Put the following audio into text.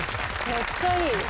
めっちゃいいです。